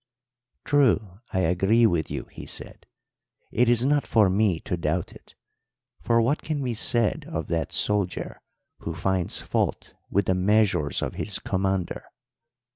"'True, I agree with you,' he said. 'It is not for me to doubt it, for what can be said of that soldier who finds fault with the measures of his commander?